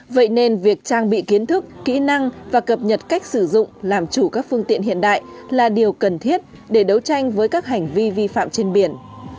vậy nên việc trang bị kiến thức kỹ năng và cập nhật cách sử dụng làm chủ các phương tiện hiện đại là điều cần thiết để đấu tranh với các hành vi vi phạm trên biển